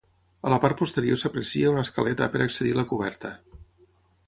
A la part posterior s'aprecia una escaleta per accedir a la coberta.